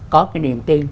có cái niềm tin